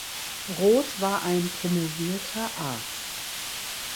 Roth war ein promovierter Arzt.